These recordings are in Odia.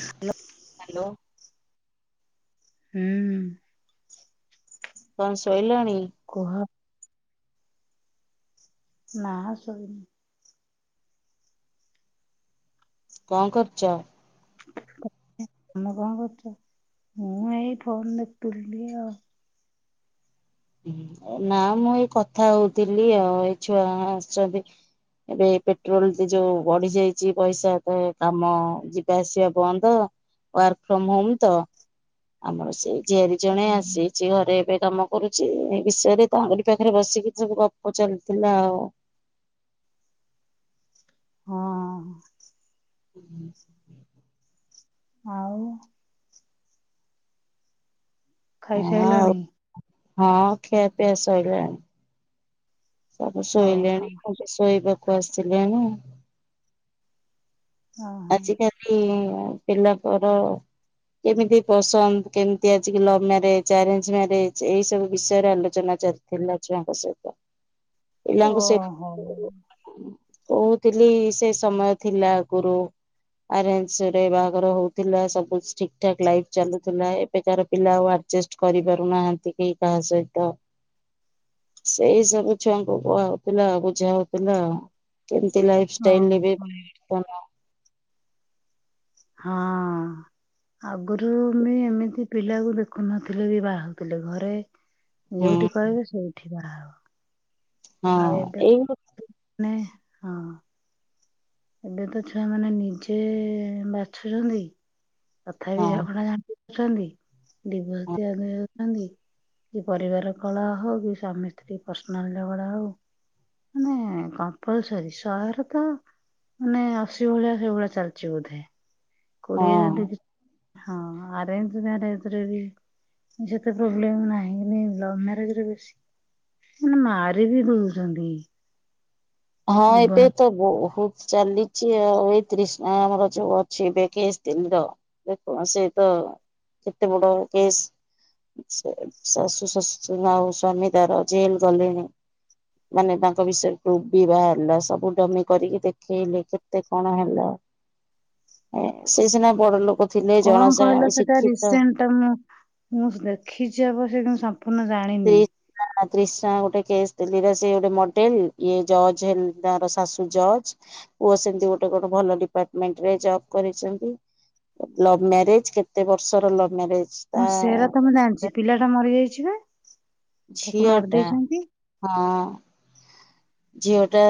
ହାଲୋ। ହାଲୋ। ହୁଁ। କଣ ଶୋଇଲଣି? କୁହ? ନା ଶୋଇନି। କଁ କରୁଚ? ତମେ କଁ କରୁଚ ମୁଁ ଏଇ ଫୋନ ଦେଖୁଥିଲି ଆଉ ନା ମୁଁ ଏଇ କଥା ହଉଥିଲି ଆଉ ଏଇ ଛୁଆ ଆସିଛନ୍ତି। ଏବେ ପେଟ୍ରୋଲ ଯୋଉ ବଢି ଯାଇଚି ପଇସା ତ କାମ ଯିବା ଆସିବା ବନ୍ଦ। ୱାର୍କ ଫ୍ରମ ହୋମ ତ ଆମର ସେ ଝିଆରି ଜଣେ ହୁଁ। ଆସି ଜିଓରେ ଏବେ କାମ କରୁଚି ସେ ବିଷୟରେ ତାଙ୍କରି ପାଖରେ ବସିକି ସବୁ ଗପ ଚାଲିଥିଲା ଆଉ ହଁ। ହୁଁ। ଆଉ ହଁ ଆଉ ଖାଇସାଇଲଣି? ହଁ ଖିଆ ପିଆ ସଇଲାଣି ସବୁ ଓହୋ ଶୋଇଲେଣି ଆଉ ଶୋଇବାକୁ ଆସିଲେଣି। ଓହୋ ଆଜିିକାଲି ପିଲାଙ୍କର କେମିତି ପସନ୍ଦ କେମିତି ଆଜି ଲଭ ମ୍ୟାରେଜ ଆରେଞ୍ଜ ମ୍ୟାରେଜ ଏଇ ସବୁ ବିଷୟରେ ଆଲୋଚନା ଚାଲି ପିଲାଛୁଆଙ୍କ ସହିତ। ପିଲାଙ୍କୁ ସେ ଓହୋ। କହୁଥିଲି ସେ ସମୟ ଥିଲା ଆଗରୁ ଆରେଞ୍ଜରେ ବାହାଘର ହଉଥିଲା ସବୁ ଠିକ୍ ଠାକ୍ ଲାଇଫ ଚାଲୁଥିଲା ଏବେକାର ପିଲା ଆଉ ଅଜେଷ୍ଟ କରିପାରୁନାହାନ୍ତି କେହି କାହା ସହିତ ସେଇ ସବୁ ଛୁଆଙ୍କୁ କୁହା ହଉଥିଲା ବୁଝାହଉଥିଲା। କେମତି ଲାଇଫଷ୍ଟାଇଲର ଏବେ ଓହୋ। ହଁ। ଆଗରୁ ବି ଏମିତି ପିଲାକୁ ଦେଖୁନଥିଲେ ବି ବାହା ହଉଥିଲେ ଘରେ ଯୋଉଠି ହୁଁ କହିବେ ସେଇଠି ବାହା ହଁ ହବ ଆଉ ଏବେ ଏଇ ନାଇଁ ହଁ। ଏବେ ତ ଛୁଆମାନେ ନିଜେ ବାଛୁଛନ୍ତି। ହଁ ତଥାପି ଝଗଡ଼ା ଜାଣୁଛନ୍ତି ଡିଭୋସ ହଁ ଦିଆ ଦି ସେ ପରିବାର କଳହ ହଉ କି ସ୍ବାମୀ ସ୍ତ୍ରୀ ପର୍ସନାଲ ଝଗଡ଼ା ହଉ ମାନେ କମ୍ପଲସରୀ ସହେ ରୁ ତ ମାନେ ଅଶୀ ଭଳିଆ ସେଇଭଳିଆ ଚାଲିଚି ବୋଧେ କୋଡିଏ ହଁ ଯଦି ହଁ ଆରେଞ୍ଜ ମ୍ୟାରେଜ୍ ରେ ବି ଯେତେ ପ୍ରୋବ୍ଲେମ ନାହିଁ ଲଭ ମ୍ୟାରେଜରେ ବେଶୀ। ମାନେ ମାରି ବିି ଦଉଚନ୍ତି। ହଁ ଏବେ ତ ବହୁତ ଚାଲିଚି ଆଉ ଏଇ ତ୍ରିଷ୍ଣା ଆମର ଯୋଉ ଅଛି ବେକିଏସ୍ ତିନ୍ଦ ଦେଖୁନ ସେ ତ କେତେ ବଡ କେସ୍? ସେ ଶାଶୁ ଶ୍ୱଶୁର ଆଉ ସ୍ବାମୀ ତାର ଜେଲ ଗଲେଣି। ମାନେ ତାଙ୍କ ବିଷୟରେ କ ବିବାହ ହେଲା ସବୁ ଡମି କରିକି ଦେଖେଇଲେ କେତେ କଣ ହେଲା? ସେ ସିନା ବଡ ଲୋକ ଥିଲେ ଜଣାଶା ଶିକ୍ଷିତ ତ ମୁଁ ଦେଖିଛି ଅବଶ୍ୟ କିନ୍ତୁ ସମ୍ପୂର୍ଣ୍ଣ ଜାଣିନି। ତ୍ରିଷାଟା ଗୋଟେ କେସ୍ ଦିଲ୍ଲୀର ସେ ଗୋଟେ ମଡେଲ ଇଏ ଜଜ ହେ ତାର ଶାଶୁ ଜଜ। ପୁଅ ସେମିତି ଗୋଟେ କଣ ଡିପାର୍ଟମେଣ୍ଟରେ ଜବ କରିଛନ୍ତି? ଲଭ ମ୍ୟାରେଜ କେତେ ବର୍ଷର ଲଭ୍ ମ୍ୟାରେଜ? ହଁ ତା ସେରା ତ ମୁଁ ଜାଣିଛି ପିଲାଟା ମରିଯାଇଛି ବା ତାକୁ ମାରି ଝିଅଟା ଦେଇଛନ୍ତି ହଁ ଝିଅଟା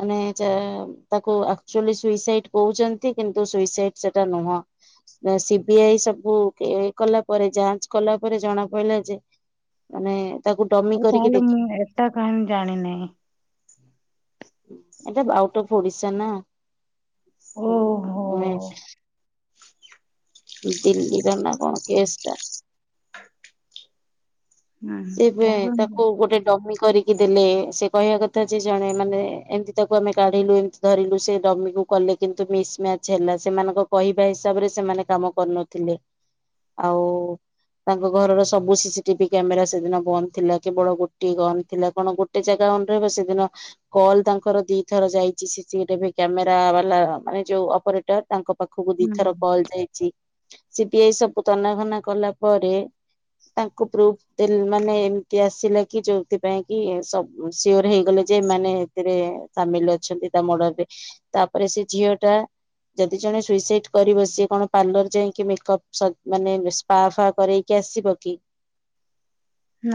ମାନେ ଚାମ୍ ତାକୁ ଆକ୍‌ଚୁଆଲି ସୁଇସାଇଟ୍ କହୁଛନ୍ତି କିନ୍ତୁ ସୁଇସାଇଟ୍ ସେଟା ନୁହଁ ସିବିଆଇ ସବୁ କେୱାଇ କଲା ପରେ ଯାଞ୍ଚ କଲା ପରେ ଜଣା ପାଇଲା ଯେ ମାନେ ତାକୁ ଡମି କରିକି ଦେଖି ତା କାହାଣି ଜାଣିନାଇଁ ଏଟା ବା ଆଉଟ୍ ଅଫ୍ ଓଡିଶା ନାଁ ଓହୋ ଦିଲ୍ଲୀର ନାଁ କଣ କେସ୍ ଟା ହୁଁ ନା ସେବେ ତାକୁ ଗୋଟେ ଡମି କରି କି ଦେଲେ ସେ କହିବା କଥା ଯେ ଜଣେ ମାନେ ଏମ୍‌ତି ତାକୁ ଆମେ କାଢ଼ିଲୁ ଏମ୍‌ତି ଧରିଲୁ ସେ ଡମିକୁ କଲେ କିନ୍ତୁ ମିସ୍‌ମ୍ୟାଚ୍ ହେଲା ସେମାନଙ୍କ କହିବା ହିସାବ୍‌ରେ ସେମାନେ କାମ କର୍‌ନଥିଲେ ଆଉ ତାଙ୍କ ଘରର ସବୁ ସିସିଟିପି କ୍ୟାମେରାସ୍ ସେଦିନ ବନ୍ଦ୍ ଥିଲା କେବଳ ଗୋଟିଏ ଗନ୍ ଥିଲା କଣ ଗୋଟେ ଜାଗା ଅନ୍ ରହିବ ସେଦିନ କଲ୍ ତାଙ୍କର ଦିଥର ଯାଇଚି ସିସିଟିଭି କ୍ୟାମେରା ବାଲା ମାନେ ଯଉ ଅପରେଟର୍ ତାଙ୍କ ପାଖକୁ ଦିଥର କଲ୍ ଯାଇ ଚି ସିବିଆଇ ସବୁ ତନାଘନା କଲା ପରେ ତାଙ୍କୁ ପ୍ରୁପ୍ ତେଲ୍‌ମାନେ ଏମ୍‌ତି ଆସିଲେ କିଯୋଉଥିପାଇଁ କି ସବ୍ ସିଓର୍ ହେଇଗଲେ ଯେ ଏମାନେ ଏଥିରେ ସାମିଲ୍ ଅଛନ୍ତି ତା ମଡର୍‌ରେ ତାପରେ ସେ ଝିଅ ଟା ଯଦି ଜଣେ ସୁଇସାଇଟ୍ କରିବ ସେ କଣ ପାର୍ଲର୍ ଯାଇଙ୍କି ମେକପ୍ ସ ମାନେ ବେସ୍ ପା ଫା କରେଇକି ଆସିବ କି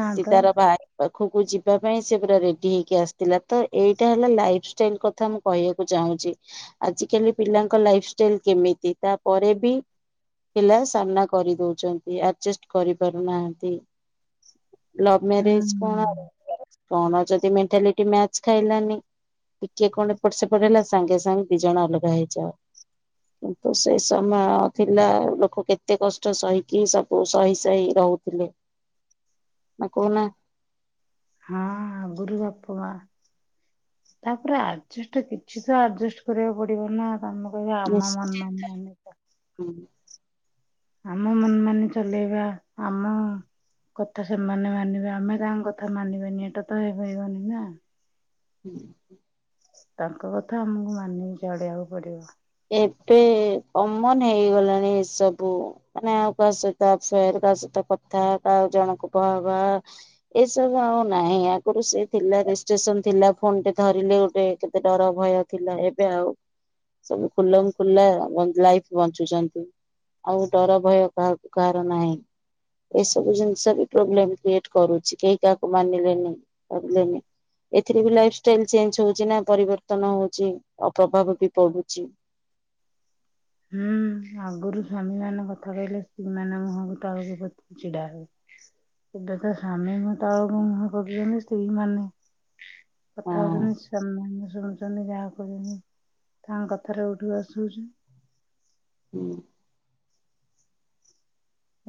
ସେ ତ ତାର ଭା ପାଖକୁ ଯିବା ପାଇଁ ସେ ପୁରା ରେଡି ହେଇକି ଆସ୍‌ଥିଲା ତ ଏଇଟା ହେଲା ଲାଇଫ୍‌ଷ୍ଟାଇଲ୍ କଥା ମୁଁ କହିବାକୁ ଚାହୁଁଚି ଆଜିକାଲି ପିଲାଙ୍କ ଲାଇଫ୍‌ଷ୍ଟାଇଲ୍ କେମିତି ତା ପରେ ବି ପିଲା ସାମ୍ନା କରି ଦଉଚନ୍ତି ଆଯେଷ୍ଟ୍ କରି ପାରୁନାହାଁନ୍ତି ଲଭ୍ ହୁଁ ମ୍ୟାରେଜ୍ କଣ ଆରେଞ୍ ମ୍ୟାରେଜ୍ କଣ ଯଦି ମେଣ୍ଟାଲିଟି ମ୍ୟାଚ୍ ଖାଇଲାନି ଟିକିଏ କଣ ଏପଟ୍ ସେପଟ୍ ହେଲା ସାଙ୍ଗେ ସାଙ୍ଗେ ଦିଜଣ ଅଲଗା ହେଇଯାଅ କିନ୍ତୁ ସେ ସମାୟ ଥିଲା ଲୋକ କେତେ କଷ୍ଟ ସହିକି ସବ୍ କଉ ସହି ସହି ରହୁଥିଲେ ନାଁ କଉ ନାଁ ହାଁ ବୁରୁ ବାପା ମା ତାପରେ ଆଡ୍‌ଯଷ୍ଟ କିଛି ତ ଆଡ୍‌ଯଷ୍ଟ୍ କରିବାକୁ ପଡିବ ନା ଆମକୁ କହିବେ ଆମ ମନ ମାନି ଚା ହୁଁ ଆମ ମନ୍ ମାନି ଚଲେଇବା ଆମ କଥା ସେମାନେ ମାନିବେ ଆମେ ତାଙ୍କ କଥା ମାନିବାନି ଏଟା ତ ହେଇପାରିବନି ନାଁ ହୁଁ ତାଙ୍କ କଥା ଆମୁକୁ ମାନିଗି ଚଳିବାକୁ ପଡିବ ଏପେ କମନ୍ ହେଇଗଲାଣି ଏସବୁ ମାନେ ଆଉ କାହା ସହିତ ଆଫେଆର୍ ବା ସେ ତା କଥା ତା ଆଉ ଜଣଙ୍କୁ ବାହା ହବା ଏସବୁ ଆଉ ନାଇଁ ଆଗୁରୁ ସେ ଥିଲା ରେଷ୍ଟ୍ରେସନ୍ ଥିଲା ଫୋନ୍ ଟେ ଧରିଲେ ଗୋଟେ କେତେ ଡର ଭୟ ଥିଲା ଏବେ ଆଉ ସବୁ ଖୁଲମ୍ ଖୁଲା ମନ୍ଦ୍ ଲାଇଫ୍ ବଞ୍ଚୁଚନ୍ତି ଆଉ ଡର ଭୟ କାହାକୁ କାଆର ନାଇଁ ଏସବୁ ଜିନ୍‌ଷ ବି ପ୍ରୋବ୍ଲେମ୍ କ୍ରିଏଟ୍ କରୁଚି କେହି କାହାକୁ ମାନିଲେନି ପାରିଲେନି ଏଥିରେ ବି ଲାଇଫ୍‌ଷ୍ଟାଇଲ୍ ଚେଞ୍ଚ୍ ହଉଚି ନା ପରିବର୍ତ୍ତନ ହଉଚି ଓ ପ୍ରଭାବ ବି ପଡୁ ଚିଉ ହୁଁ ଆଗୁରୁ ସ୍ୱାମୀମାନେ କଥା କହିଲେ ସ୍ତ୍ରୀମାନେ ମୁହଁକୁ ତଳକୁ ପୋତି କି ଛିଡା ହେବେ ଏବେ ତ ସ୍ଵାମୀ ମ ତଳକୁ ମୁହଁ ପକେଇଅନ୍ତି ସ୍ତ୍ରୀମାନେ କଥା ହଉଛନ୍ତି ହଁ। ସେମାନେ ଶୁଣୁ ଚ ସେମାନେ ଯାହା କହୁଛନ୍ତି ତାଙ୍କ କଥାରେ ଉଠୁ ବସ ହଉଛନ୍ତି। ହୁଁ।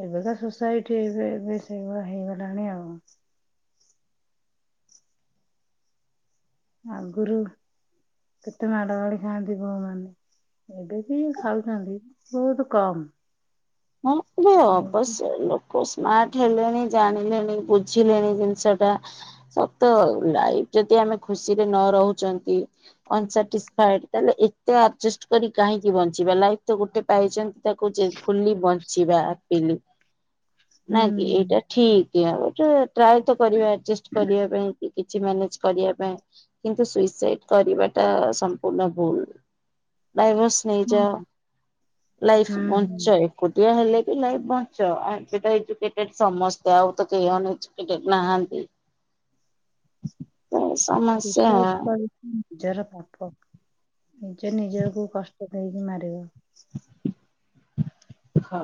ଏବେ ତ ସୋସାଇଟି ଏବେ ଏବେ ସେଇଭଳିଆ ହେଇଗଲାଣି ଆଉ। ଆଗରୁ କେତେ ମାଡ ଗାଳି ଖାଆନ୍ତି ବୋହୁମାନେ। ଏବେ ବି ଖାଉଛନ୍ତି, ବହୁତ କମ। ହଁ ବସ ହୁଁ ଅବଶ୍ୟ ଏଇନୁ ଲୋକ ସ୍ମାର୍ଟ ହେଲେଣି ଜାଣିଲେଣି ବୁଝିଲେଣି ଜିନିଷଟା। ସତ ଲାଇଫ ଯଦି ଆମେ ଖୁସିରେ ନ ରହୁଛନ୍ତି ଅନ୍ ସାଟିସ୍ଫାଇଡ୍ ତାହେଲେ ଏତେ ଅର୍ଜଷ୍ଟ କରି କାହିଁକି ବଂଚିବା, ଲାଇଫ ତ ଗୋଟେ ପାଇଛନ୍ତି ତାକୁ ଯେ ଫୁଲି ବଞ୍ଚିବା ହାପିଲି ନାଇ କି ଏଇଟା ହୁଁ ଠିକ୍, ଆଉ ତ ଟ୍ରାଏ ତ କରିବା ଆଡଜଷ୍ଟ କରିବା ପାଇଁକି। କିଛି ମ୍ୟାନେଜ କରିବା ପାଇଁ, କିନ୍ତୁ ସୁଇସାଇଡ କରିବାଟା ସମ୍ପୂର୍ଣ୍ଣ ଭୁଲ। ଡାଇଭର୍ସ ନେଇଯା ଲାଇଫ୍ ହୁଁ ଵଞ୍ଚ ହେ ଏକୁଟିଆ ହେଲେ ବି ଲାଇଫ ବଞ୍ଚ, ଆଉ ଏବେ ତ ଏଜୁକେଟେଡ଼୍ ସମସ୍ତେ ଆଉ ତ କେହି ଅନ୍ ଏଜୁ କେଟେଡ୍ ନାହାନ୍ତି। ସମସ୍ୟା ସୁୁସାଇଡ୍ କରି ନିଜର ପାପ ନିଜେ ନିଜକୁ କଷ୍ଟ ଦେଇକି ମାରିବ। ହଁ।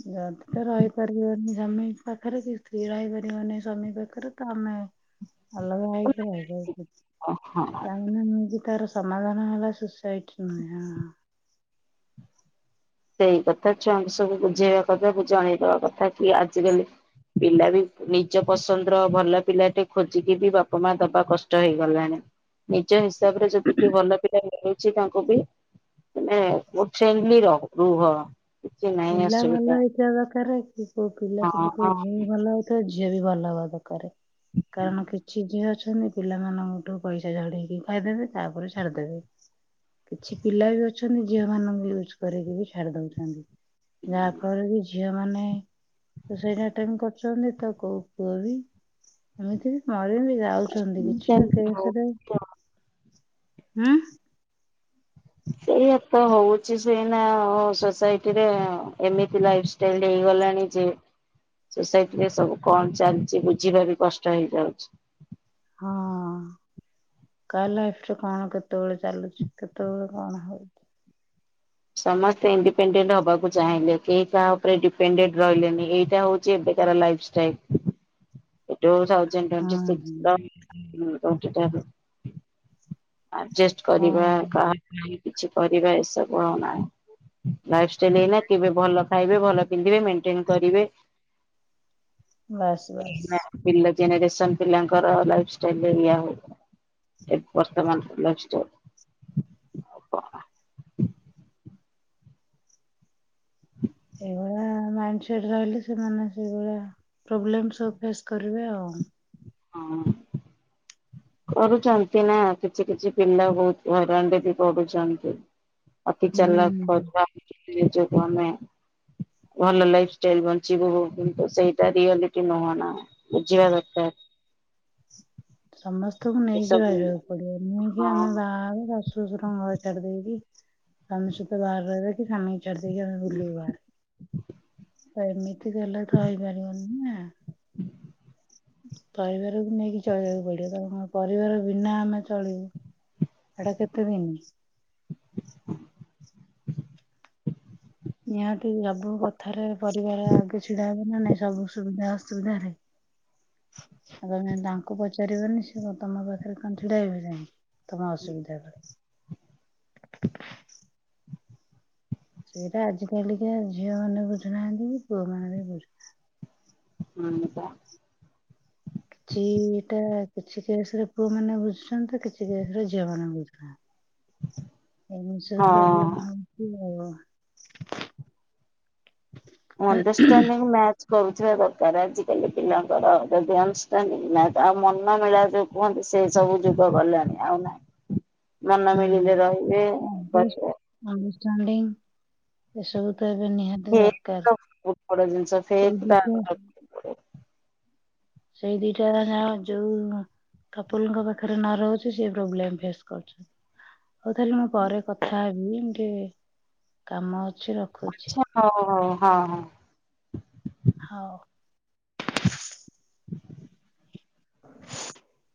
ଯଦି ତ ରହିପାରିବନି ସ୍ୱାମି ପାଖରେ, କି ସ୍ତ୍ରୀ ରହିପାରିବନି ସ୍ୱାମି ପାଖରେ ତ ଆମେ ହୁଁ [inaudible] ଅଲଗା ହେଇକି ରହିଵା ଉଚିତ୍, ହଁ। ତା ହଁ ମୁଁ ବି ତାର ସମାଧାନ ହେଲା ସୁସାଇଟ୍ ନୁହେଁ ହଁ ହଁଁ। ସେଇ କଥା ଛୁଆଙ୍କୁ ସବୁ ବୁଝେଇବା କଥା ଜଣେଇଦବା କଥା କି ଆଜି କାଲି ପିଲା ବି ନିଜ ପସନ୍ଦର ଭଲ ପିଲାଟେ ଖୋଜିକି ବି ବାପା ମା ଦବା କଷ୍ଟ ଷ୍ଟ ହେଇଗଲାଣି, ନିଜ ହିସାବରେ ଯଦି କିଏ ଭଲ ପିଲା ଛି ତାଙ୍କୁ ବି ମାନେ ଫ [unintelligible] ର ରୁହ କିଛି ନାହିଁ ପିଲା ଅସୁବିଧା ଭଲ ହେଇଥିବା ଦରକାର, କି କୋଉ ପିଲା ହଁ କେମିତି କୋଉ ହଁ ଝିଅ ଭଲ ହେଇ ତ ଝିଅ ବି ଭଲ ହବା ଦରକାରେ, କାରଣ କିଛି ଝିଅ ଅଛନ୍ତି ପିଲାମାନଙ୍କଠୁ ପଇସା ଝଡେଇକି ଖାଇଦେବେ, ତାପରେ ଛାଡିଦେବେ କିଛି ପିଲା ବି ଅଛନ୍ତି ଝିଅ ମାନଙ୍କୁ ୟୁଜ କରିକି ବି ଛାଡି ଦଉଛନ୍ତି। ଯାହା ଫଳରେ କି ଝିଅ ମାନେ ତ ସୁଇସାଇଟ ଆଟେମ୍ କରୁଛନ୍ତି ତ କୋଉ ପୁଅ ବି ଏମିତି ବି ମରିବି ଯା ଯାଉଛନ୍ତି, କିଛିଟା ସେମିତି ହଉ କେସ ରେ ହୁଁ ସେଇଆ ତ ହଉଛି ସେଇନା ସୋସାଇଟି ରେ ଏମିତି ଲାଇଫ୍ସ୍ ସ୍ପ୍ରେଡ ହେଇଗଲାଣି ଯେ ସୋସାଇଟିରେ ସବୁ କଣ ଚାଲଚି ବୁଝିବା ବି କଷ୍ଟ ହେଇଯାଉଚି। ହଁ। କା ଲାଇଫ ରେ କଣ କେତେବେଳେ ଚାଲୁଛି, କେତେବେଳେ କଣ ହଉଛି? ସମସ୍ତେ ଇଣ୍ଡିପେଣ୍ଡେଣ୍ଟ ହବାକୁ ଚାହିଁଲେ, କେହି କାହା ଉପରେ ଡିପେଣ୍ଡେଣ୍ଟ ରହିଲେନି, ଏଇଟା ହଉଛି କି ଏବେକାର ଲାଇଫଷ୍ଟାଇଲ୍। ଏ ଟୁଉସ ହଁ ଟଣ୍ଟି ସିକ [unintelligible] ଆର୍ଡଜେଷ୍ଟ ହଁ କରିବା, ହଁ କାହା ପାଇଁ କିଛି କରିବା ଏସବୁ ଆଉ ନାହିଁ। ଲାଇଫଷ୍ଟାଇଲ୍ ଏଇନା କେବେ ଭଲ ଖାଇବେ ଭଲ ପିନ୍ଧିବେ ମେଣ୍ଟେନ୍ କରିବେ ବାସ୍ ବାସ୍। ଏଇନା ପିଲା ଜେନେରେସନ ପିଲାଙ୍କର ଲାଇଫାଷ୍ଟାଇଲ ରେ ଏଇଆ ହଉ [unintelligible] ସେମାନଙ୍କର ଲାଇଫ ଷ୍ଟାଇଲ। ଆଉ କଣ ହଁ। ସେଇଭଳିଆ ମାଇଣ୍ଡ ସେଟ ରହିଲେ, ସେମାନେ ସେଇଭଳିଆ ପ୍ରୋବ୍ଲେମ୍ ଫେସସ୍ କରିବେ ଆଉ। ହଁ। କରୁଚନ୍ତି ନା କିଛି କିଛି ପିଲା ବହୁତ ହଇରାଣରେ ବି ପଡୁଚନ୍ତି। ଅତି ଚାଲାକ୍ ହୁଁ। କହୁଥିବା ନିଜକୁ ଆମେ ଭଲ ଲାଇଫ ଷ୍ଟାଇଲ ବଞ୍ଚିବୁ କିନ୍ତୁ ସେଇଟା ରିଆଲିଟି ନୁହଁ ନା। ବୁଝିବା ଦରକାର। ସମସ୍ତଙ୍କୁ ନେଇକି ଏସବୁ ରହିବାକୁ ପଡିବ ନୁହେଁ କି ହଁ ଆମେ ବାହା ହବୁ ବାସ୍ ଦୁଇଶ ଟଙ୍କା ଘରେ ଛାଡିଦେଇକି ସ୍ବାମୀ ସହିତ ବାହାରେ ରହିବେ କି ସ୍ବାମୀ ଛାଡିଦେଇକି ଆମେ ବୁଲିବୁ ବାହାରେ ତ ଏମିତି ହେଲେ ତ ହେଇପାରିବନି ନା। [unintelligible] ପରିବାରକୁ ନେଇକି ଚଳିଆକୁ ପଡିବ ତ କଣ ପରିବାର ବିନା ଆମେ ଚଳିବୁ। ଏଟା କେତେଦିନ? ନିହାତି ଅବୁ କଥାରେ ପରିବାର ଆଗେ ଛିଡାହେବେ ନା ନାଇଁ ସବୁ ସୁବିଧା ଅସୁବିଧାରେ। ଆଉ ତମେ ତାଙ୍କୁ ପଚାରିବନି ସେ ତମ ପାଖରେ କାଇଁ ଛିଡା ହେବେ କାଇଙ୍କି। ତମ ଅସୁବିଧା ରେ। ସେଇଟା ଆଜ କାଲିକା ଝିଅମାନେ ବୁଝୁନାହାଁନ୍ତି କି ପୁଅମାନେ ବି ବୁଝୁ [unintelligible] ଚି ଏଟା କିଛି କେସରେ ପୁଅମାନେ ବୁଝୁଚନ୍ତି କିଛି କେସରେ ଝିଅମାନେ ବୁଝୁନା ଏମିତି ସବୁ ପ୍ରୋବ୍ଲେମ୍ ହଁ। ହଉଚି ଆଉ। ଅଣ୍ଡରଷ୍ଟାଣ୍ଡଡିଂ ମ୍ୟା ଚ କରୁଥିବା ଦରକାର ଆଜିକାଲି ପିଲାଙ୍କର ଯଦି ଅଣ୍ଡରଷ୍ଟାଡିଂ ମ୍ୟା ଆଉ ମନ ମିଳା ଯୋଉ କୁହନ୍ତି ସେ ସବୁ ଯୁଗ ଗଲାଣି ଆଉ ନାଇଁ। ମନ ମିଳିଲେ ରହିବେ ବ ଅଣ୍ଡରଷ୍ଟାଡିଂ ଏସବୁ ତ ଏବେ ନିହାତି ଫେକ୍ ତ ଦରକାର ବହୁତ ବଡ ଜିନିଷ ସେଇ ଫେକ୍ ଟା ଆଗ ତ ରଖିବାକୁ ପଡିବ। ସେଇ ଦିଇଟା ନା ଯୋଉ କପୁଲଙ୍କ ପାଖରେ ନ ରହୁଚି ସିଏ ପ୍ରୋବ୍ଲେମ ଫେସ୍ କରୁଚି। ହଉ ତାହେଲେ ମୁଁ ପରେ କଥା ହେବି ମୁଁ ଟିକେ କାମ ଅଛି ରଖୁଚି। ଆଚ୍ଛା ହଉ ହଉ ହଁ ହଁ। ହଉ। [inaudible]